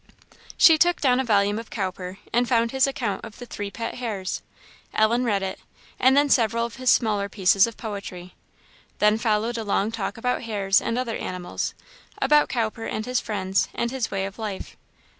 She took down a volume of Cowper, and found his account of the three pet hares. Ellen read it, and then several of his smaller pieces of poetry. Then followed a long talk about hares and other animals; about Cowper and his friends, and his way of life.